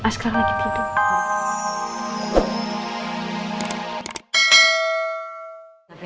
sekarang lagi tidur